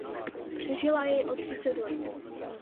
Přežila jej o třicet let.